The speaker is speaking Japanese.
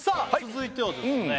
続いてはですね